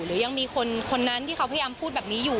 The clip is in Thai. หรือยังมีคนนั้นที่เขาพยายามพูดแบบนี้อยู่